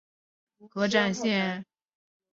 羊臼河站南下昆明方向有六渡河展线。